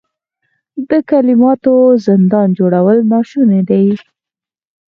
د کلماتو زندان جوړول ناشوني دي.